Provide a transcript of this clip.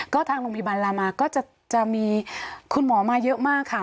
ก็ทางโรงพยาบาลลามาก็จะมีคุณหมอมาเยอะมากค่ะ